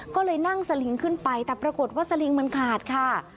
ก็เลยนั่งสลิงขึ้นไปแต่ปรากฏว่าสลิงมันขาดค่ะ